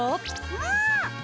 うん！